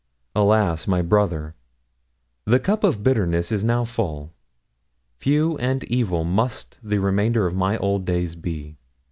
Alas! my brother! The cup of bitterness is now full. Few and evil must the remainder of my old days be.